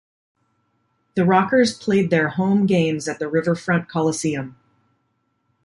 The Rockers played their home games at the Riverfront Coliseum.